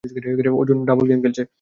Arjun double game খেলেছে।